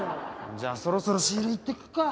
じゃあそろそろ仕入れ行ってくるか！